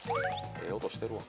ええ音してるわ。